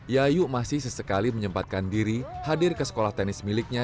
yayu masih sesekali menyempatkan diri hadir ke sekolah tenis miliknya